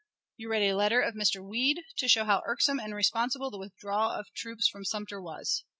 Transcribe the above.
You read a letter of Mr. Weed, to show how irksome and responsible the withdrawal of troops from Sumter was.